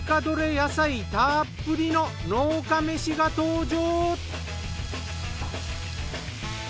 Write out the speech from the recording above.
野菜たっぷりの農家めしが登場。